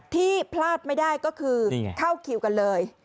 ที่พลาดไม่ได้ก็คือเข้าคิวกันเลย